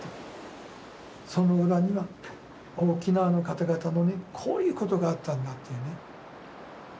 その裏には沖縄の方々のねこういうことがあったんだというね。